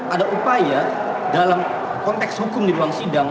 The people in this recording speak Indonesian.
ada upaya dalam konteks hukum di ruang sidang